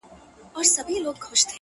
له خوب چي پاڅي; توره تياره وي;